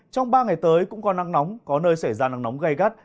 trong ba ngày tới cũng có nắng nóng có nơi sẽ ra nắng nóng gầy gắt